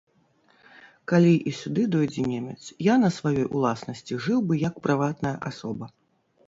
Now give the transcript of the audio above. Калі і сюды дойдзе немец, я на сваёй уласнасці жыў бы, як прыватная асоба.